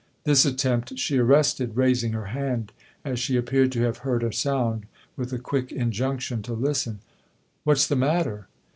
This attempt she arrested, raising her hand, as she appeared to have heard a sound, with a quick injunction to listen. " What's the matter